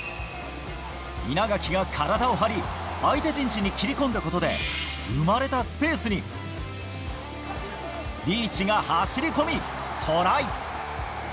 稲垣が体を張り、相手陣地に切り込んだことで、生まれたスペースに、リーチが走り込み、トライ。